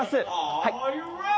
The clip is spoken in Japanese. はい。